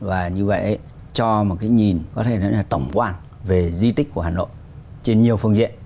và như vậy cho một cái nhìn có thể nói là tổng quan về di tích của hà nội trên nhiều phương diện